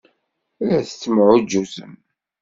La tettemɛujjutem.